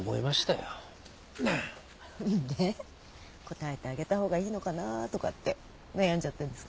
応えてあげた方がいいのかなとかって悩んじゃってんですか？